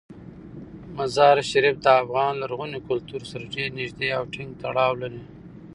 مزارشریف د افغان لرغوني کلتور سره ډیر نږدې او ټینګ تړاو لري.